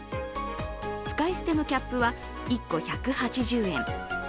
使い捨てのキャップは１個１８０円。